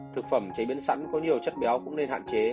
thực phẩm chế biến sẵn có nhiều chất béo cũng nên hạn chế